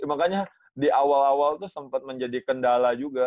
makanya di awal awal itu sempat menjadi kendala juga